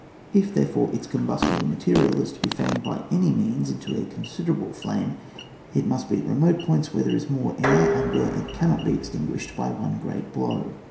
If, there fore, its combustible material is to be fanned by any means into a considerable liame it must be at remote points where there is more air, and where it cannot be extinguished by one great blow.